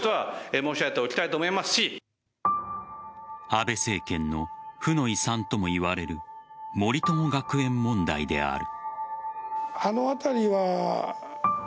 安倍政権の負の遺産ともいわれる森友学園問題である。